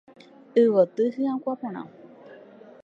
Yvoty hyakuã porã.